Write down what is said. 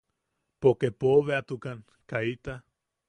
Poke pobeatukan kaita.